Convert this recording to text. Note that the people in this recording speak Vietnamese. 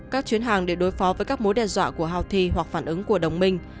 các chuyến hàng để đối phó với các mối đe dọa của houthi hoặc phản ứng của đồng minh